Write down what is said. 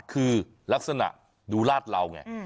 คือลักษณะดูลาดเหลาไง